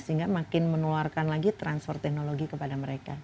sehingga makin menularkan lagi transfer teknologi kepada mereka